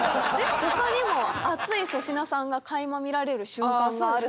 他にも熱い粗品さんが垣間見られる瞬間があるそうですね。